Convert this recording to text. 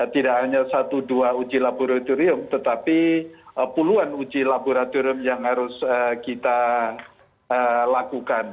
tidak hanya satu dua uji laboratorium tetapi puluhan uji laboratorium yang harus kita lakukan